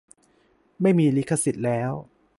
ไม่มีลิขสิทธิ์แล้ว